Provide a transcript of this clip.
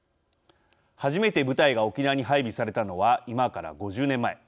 初めて部隊が沖縄に配備されたのは今から５０年前。